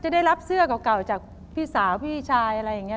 ได้รับเสื้อเก่าจากพี่สาวพี่ชายอะไรอย่างนี้